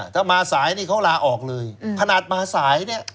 ถ้ามาสายนี่เขาลาออกเลยขนาดมาสายเนี่ย